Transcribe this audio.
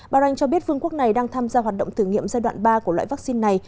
bahrain cho biết vương quốc này đang tham gia hoạt động thử nghiệm giai đoạn ba của loại vaccine này